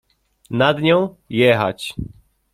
Nad nią — „jechać”.